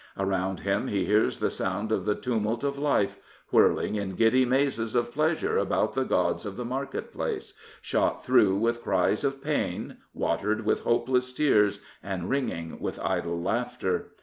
Around him he hears the sound of the tumult of life, whirling in giddy mazes of pleasure about the gods of the market place, shot through with cries of pain, watered with hopeless tears, and ringing with idle laughter.